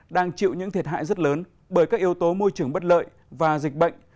đang chịu những thiệt hại rất lớn bởi các yếu tố môi trường bất lợi và dịch bệnh